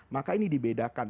maka ini dibedakan